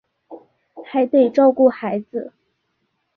还得照顾孩子